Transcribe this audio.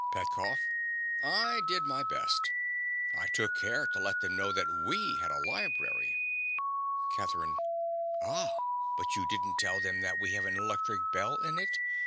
PETKOFF. I did my best. I took care to let them know that we had a library. CATHERINE. Ah; but you didn't tell them that we have an electric bell in it?